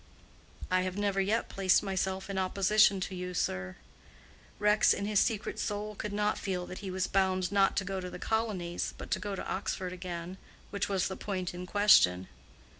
"I have never yet placed myself in opposition to you, sir." Rex in his secret soul could not feel that he was bound not to go to the colonies, but to go to Oxford again—which was the point in question.